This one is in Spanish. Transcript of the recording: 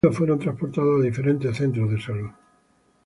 Los heridos fueron transportados a diferentes centros de salud.